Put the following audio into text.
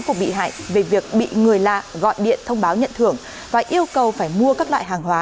của bị hại về việc bị người lạ gọi điện thông báo nhận thưởng và yêu cầu phải mua các loại hàng hóa